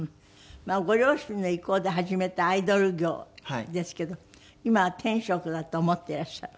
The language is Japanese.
まあご両親の意向で始めたアイドル業ですけど今は天職だと思ってらっしゃる？